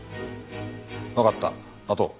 わかった待とう。